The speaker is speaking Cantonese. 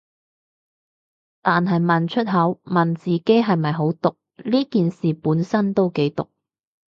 但係問出口，問自己係咪好毒，呢件事本身都幾毒